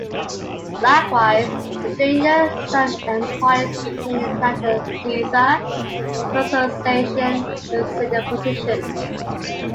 Likewise, the junior sub-Emperors retained the title "Caesar" upon accession to the senior position.